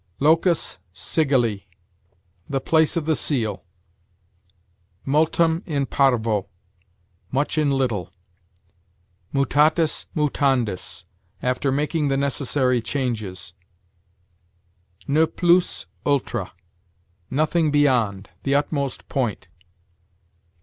Locus sigilli: the place of the seal. Multum in parvo: much in little. Mutatis mutandis: after making the necessary changes. Ne plus ultra: nothing beyond; the utmost point.